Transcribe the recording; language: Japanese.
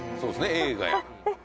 映画や。